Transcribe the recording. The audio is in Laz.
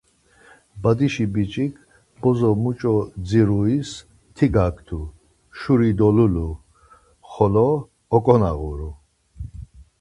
Badişi biç̌ik bozo muç̌o dziruis ti gaktu, şuri dolulu, xolo ohkonağuru.